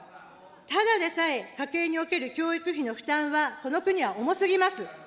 ただでさえ家計における教育費の負担はこの国は重すぎます。